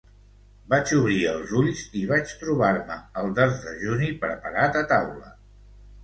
Vaig obrir els ulls i vaig trobar-me el desdejuni preparat a taula.